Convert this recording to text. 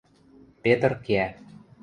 Петр кеӓ.